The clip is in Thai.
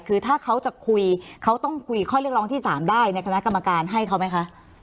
คือถ้าเขาจะคุยเขาต้องคุยข้อเรียกร้องที่๓ได้ในคณะกรรมการให้เขาไหมคะ